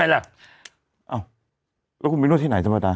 เราก็นวร์ดที่ไหนสมดาล